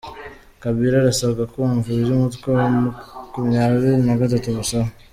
Kabila arasabwa kumva ibyo umutwe wa makumyabiri nagatatu umusaba